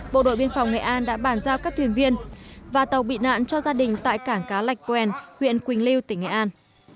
bộ đội biên phòng nghệ an đã bàn giao các thuyền viên và tàu bị nạn cho gia đình tại cảng cá lạch quen huyện quỳnh lưu tỉnh nghệ an